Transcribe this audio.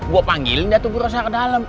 gue panggilin dia tuh bu rosa ke dalam